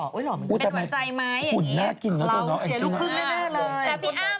เป็นหวังใจไหมอย่างนี้เราเสียลูกพึ่งแน่เลยพูดถึงมันเอ๊ะยังงี้หุ่นน่ากินเลยตัวน้อง